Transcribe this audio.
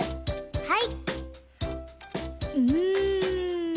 はい。